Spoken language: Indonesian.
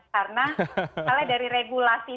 karena soalnya dari regulasi